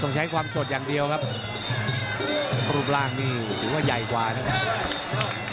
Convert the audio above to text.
ใช้ความสดอย่างเดียวครับรูปร่างนี่ถือว่าใหญ่กว่านะครับ